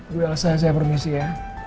ibu elsa saya permisi ya